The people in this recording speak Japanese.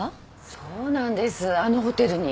そうなんですあのホテルに。